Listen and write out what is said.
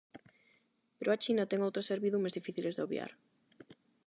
Pero a China ten outras servidumes difíciles de obviar.